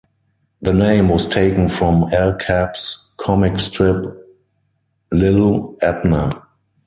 The name was taken from Al Capp's comic strip Li'l Abner.